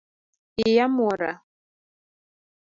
Iya mwora